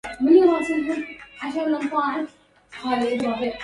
أقبل العيد ما رأينا صفاه